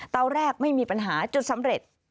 ตอนแรกไม่มีปัญหาจุดสำเร็จ